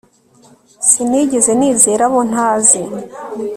Sinigeze nizera abo ntazi